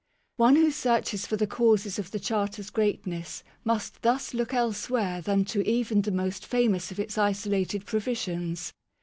One who searches for the causes of the Charter's greatness must thus look elsewhere than to even the most famous of its isolated provisions.